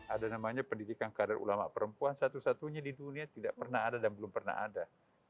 ada namanya pendidikan kader ulama perempuan satu satunya di dunia tidak pernah ada dan belum pernah ada